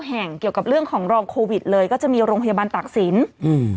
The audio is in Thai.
แห่งเกี่ยวกับเรื่องของรองโควิดเลยก็จะมีโรงพยาบาลตากศิลป์อืม